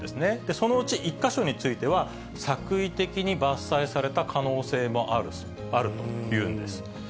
そのうち１か所については、作為的に伐採された可能性もあるというんです。